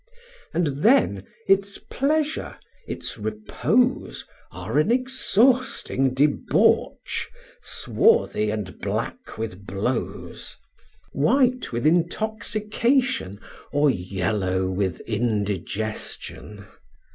And then its pleasure, its repose, are an exhausting debauch, swarthy and black with blows, white with intoxication, or yellow with indigestion.